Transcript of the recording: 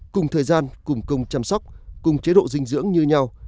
cùng thời gian cùng công chăm sóc cùng chế độ dinh dưỡng như nhau